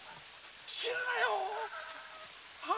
死ぬなよ